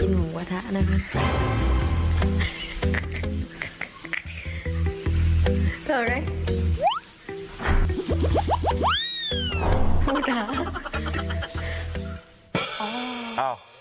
หูสา